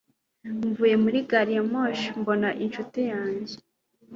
Mvuye muri gari ya moshi mbona inshuti yanjye